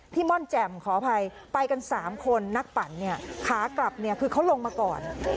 ม่อนแจ่มขออภัยไปกัน๓คนนักปั่นเนี่ยขากลับเนี่ยคือเขาลงมาก่อน